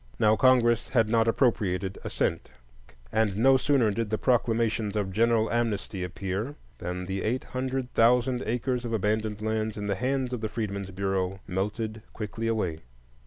Now Congress had not appropriated a cent, and no sooner did the proclamations of general amnesty appear than the eight hundred thousand acres of abandoned lands in the hands of the Freedmen's Bureau melted quickly away.